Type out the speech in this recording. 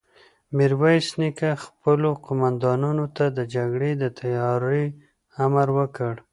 ميرويس نيکه خپلو قوماندانانو ته د جګړې د تياري امر وکړ.